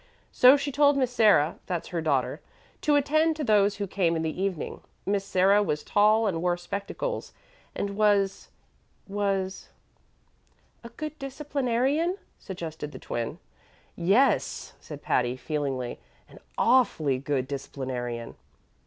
So she told Miss Sarah that's her daughter to attend to those who came in the evening. Miss Sarah was tall and wore spectacles, and was was " "A good disciplinarian," suggested the Twin. "Yes," said Patty, feelingly, "an awfully good disciplinarian.